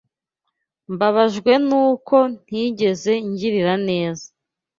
Mbabajwe nuko ntigeze ngirira neza.